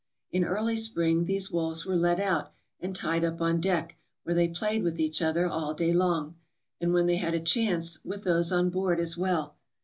In early spring these wolves were let out, and tied up on deck, where they played with each other all day long, and when they had a chance with those on board as well.